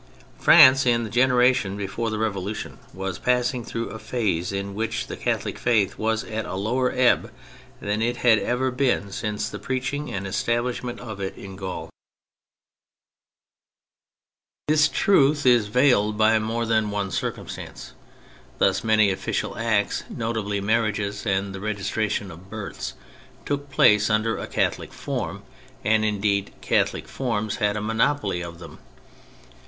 France, in the generation before the Revolution, was passing through a phase in which the Catholic Faith was at a lower ebb than it had ever been since the preaching and establishment of it in Gaul. H 2 228 THE FRENCH REVOLUTION This truth is veiled by more than one cir cumstance. Thus many official acts, notably marriages and the registration of births, took place under a Catholic form, and indeed Catholic forms had a monopoly of them.